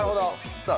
さあ